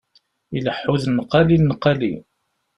Ileḥḥu d nnqali nnqali.